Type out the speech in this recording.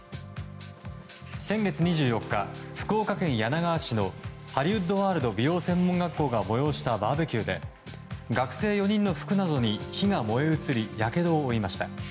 先月２４日、福岡県柳川市のハリウッドワールド美容専門学校が催したバーベキューで学生４人の服などに火が燃え移りやけどを負いました。